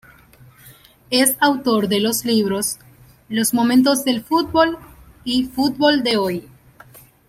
Es autor de los libros "Los Momentos del Fútbol" y "Fútbol de Hoy".